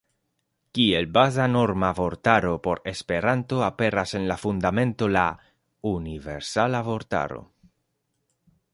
Kiel baza norma vortaro por Esperanto aperas en la Fundamento la "Universala Vortaro".